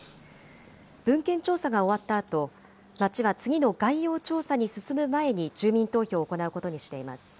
文献調査が終わったあと、町は次の概要調査に進む前に住民投票を行うことにしています。